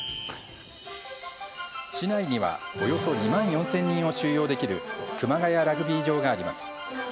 市内には、およそ２万４０００人を収容できる熊谷ラグビー場があります。